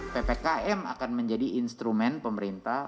ppkm akan menjadi instrumen pemerintah